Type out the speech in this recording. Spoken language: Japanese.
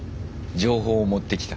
情報を持ってきた。